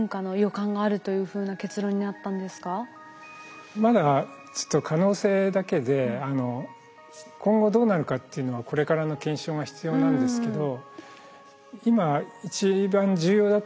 これまだ可能性だけで今後どうなるかっていうのはこれからの検証が必要なんですけど。